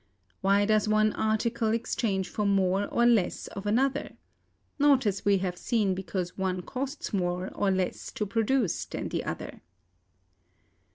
Why does one article exchange for more or less of another? Not, as we have seen, because one costs more or less to produce than the other.